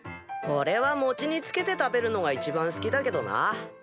おれはもちにつけて食べるのが一番好きだけどな。